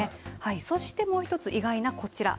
そして、もう１つ意外なこちら。